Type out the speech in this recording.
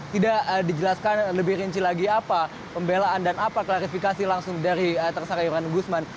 tidak dijelaskan lebih rinci lagi apa pembelaan dan apa klarifikasi langsung dari tersangka irman gusman